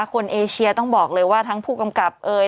เอเชียต้องบอกเลยว่าทั้งผู้กำกับเอ่ย